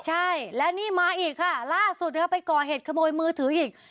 ใช่และนี่มาอีกค่ะล่าสุดนะครับไปก่อเหตุขโมยมือถืออีก